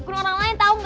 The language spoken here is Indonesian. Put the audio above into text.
guna orang lain tau gak